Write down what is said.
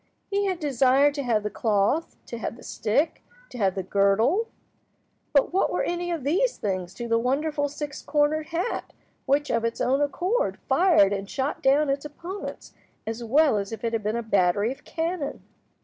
He had desired to have the cloth, to have the stick, to have the girdle, but what were any of these things to the wonderful six cornered hat which, of its own accord, fired and shot down its opponents as well as if it had been a battery of cannon!